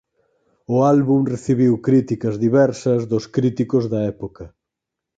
O álbum recibiu críticas diversas dos críticos da época.